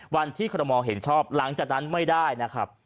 วันที่คอรมอลเห็นชอบหลังจากนั้นไม่ได้นะครับ